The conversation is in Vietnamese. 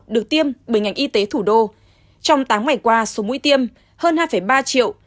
được tiêm bởi ngành y tế thủ đô trong tám ngày qua số mũi tiêm hơn hai ba triệu